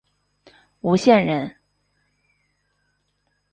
吴县人。